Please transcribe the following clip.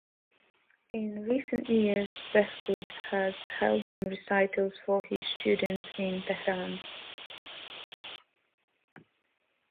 In recent years Behboud has held some recitals for his students in Tehran.